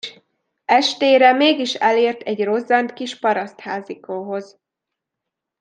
Estére mégis elért egy rozzant kis parasztházikóhoz.